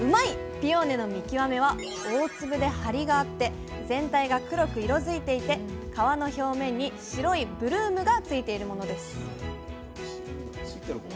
ピオーネの見極めは大粒でハリがあって全体が黒く色づいていて皮の表面に白いブルームがついているものです！